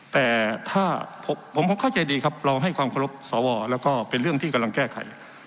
แต่ถ้าผมเข้าใจดีครับเราให้ความเคารพสวแล้วก็เป็นเรื่องที่กำลังแก้ไข